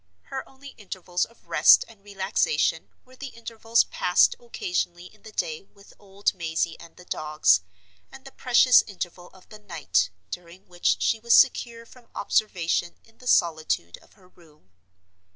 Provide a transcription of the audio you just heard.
Her only intervals of rest and relaxation were the intervals passed occasionally in the day with old Mazey and the dogs, and the precious interval of the night during which she was secure from observation in the solitude of her room.